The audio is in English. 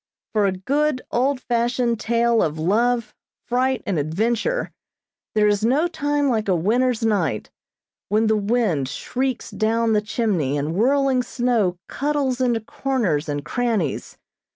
For a good, old fashioned tale of love, fright and adventure, there is no time like a winter's night, when the wind shrieks down the chimney and whirling snow cuddles into corners and crannies.